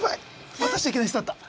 待たしちゃいけない人だった！